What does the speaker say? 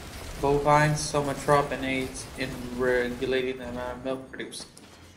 Bovine somatotropin aids in regulating the amount of milk produced.